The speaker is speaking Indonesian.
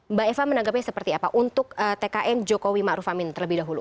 mbak eva menanggapnya seperti apa untuk tkm jokowi marufame terlebih dahulu